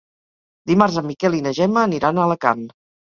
Dimarts en Miquel i na Gemma aniran a Alacant.